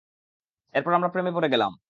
এরপর আমরা প্রেমে পড়ে গেলাম।